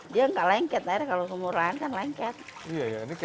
dia nggak lengket air kalau sumur lahan kan lengket